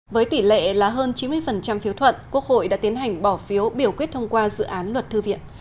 với tỷ lệ là hơn chín mươi phiếu thuận quốc hội đã tiến hành bỏ phiếu biểu quyết thông qua dự án luật thư viện